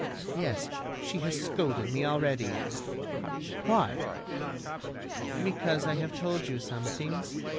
"Yes, she has scolded me already." "Why?" "Because I have told you some things